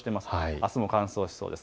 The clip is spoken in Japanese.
あすも乾燥しそうです。